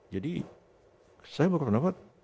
jadi saya baru dapat